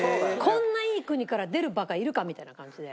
こんないい国から出るバカいるかみたいな感じで。